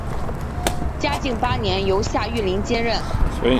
嘉靖八年由夏玉麟接任。